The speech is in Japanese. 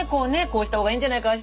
こうした方がいいんじゃないかあ